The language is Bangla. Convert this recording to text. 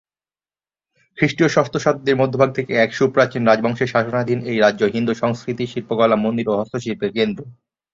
খ্রিষ্টীয় ষষ্ঠ শতাব্দীর মধ্যভাগ থেকে এক সুপ্রাচীন রাজবংশের শাসনাধীন এই রাজ্য হিন্দু সংস্কৃতি, শিল্পকলা, মন্দির ও হস্তশিল্পের কেন্দ্র।